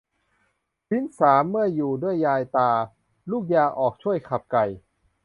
ชิ้นสามเมื่ออยู่ด้วยยายตา ลูกยาออกช่วยขับไก่